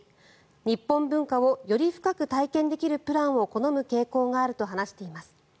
日本文化をより深く体験できるプランを好む傾向があると話しています。